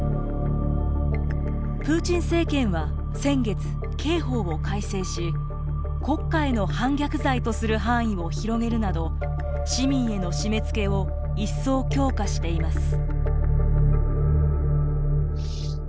プーチン政権は先月、刑法を改正し国家への反逆罪とする範囲を広げるなど市民への締めつけを一層強化しています。